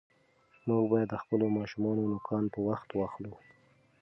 موږ باید د خپلو ماشومانو نوکان په وخت واخلو.